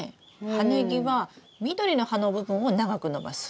葉ネギは緑の葉の部分を長く伸ばす。